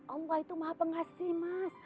allah itu maha pengasih mas